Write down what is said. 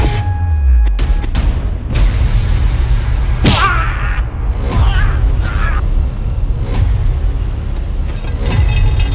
itu yang penting